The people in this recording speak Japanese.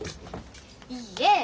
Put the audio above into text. いいえ